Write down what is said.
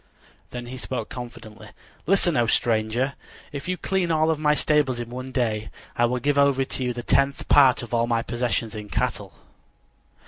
Then he spoke confidently: "Listen, O stranger. If you clean all of my stables in one day, I will give over to you the tenth part of all my possessions in cattle."